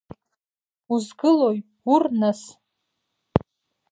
Узгылои, ур, нас?!